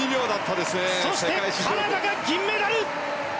そして、カナダが銀メダル。